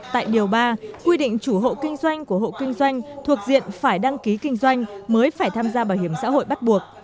tại điều ba quy định chủ hộ kinh doanh của hộ kinh doanh thuộc diện phải đăng ký kinh doanh mới phải tham gia bảo hiểm xã hội bắt buộc